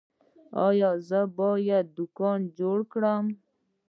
ایا زه باید دوکان جوړ کړم؟